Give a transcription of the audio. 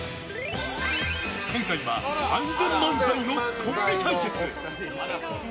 今回はＡＮＺＥＮ漫才のコンビ対決。